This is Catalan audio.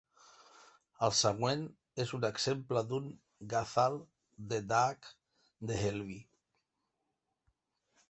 El següent és un exemple d'un Ghazal de Daag Dehelvi.